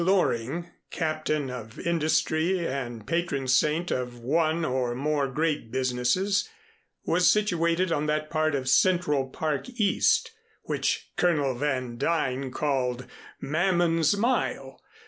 Loring, Captain of Industry and patron saint of one or more great businesses, was situated on that part of Central Park East which Colonel Van Duyn called Mammon's Mile.